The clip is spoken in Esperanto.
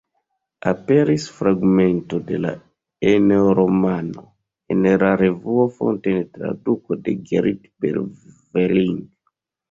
Aperis fragmento de la "Eneo-romano" en la revuo Fonto en traduko de Gerrit Berveling.